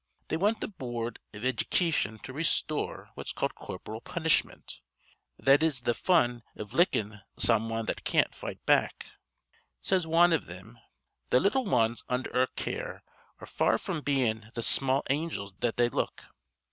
They want the boord iv iddycation to restore what's called corporal punishment that is th' fun iv lickin' some wan that can't fight back. Says wan iv thim: 'Th' little wans undher our care are far fr'm bein' th' small angels that they look.